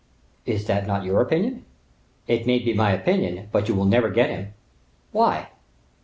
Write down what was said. "Is that not your opinion?" "It may be my opinion, but you will never get him." "Why?"